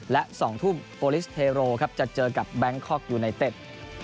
และ๒ทุ่มโอลิสเทโรครับจะเจอกับแบงคอกยูไนเต็ด